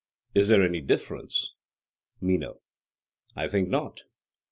Is there any difference? MENO: I think not.